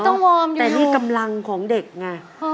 วอร์มแต่นี่กำลังของเด็กไง